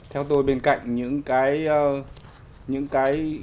theo tôi bên cạnh những cái